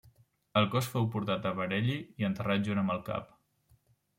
El cos fou portat a Bareilly i enterrat junt amb el cap.